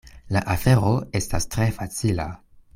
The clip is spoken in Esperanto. La afero estas tre facila.